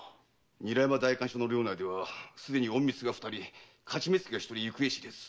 韮山代官所の領内ではすでに隠密が二人徒目付が一人行方知れず。